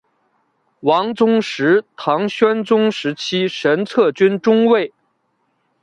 王宗实唐宣宗时期神策军中尉。